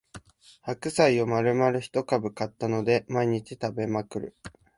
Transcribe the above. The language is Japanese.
白菜をまるまる一株買ったので毎日食べまくる